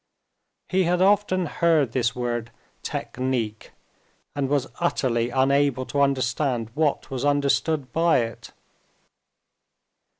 He had often heard this word technique, and was utterly unable to understand what was understood by it.